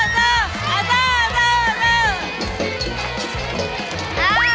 ใจเย็น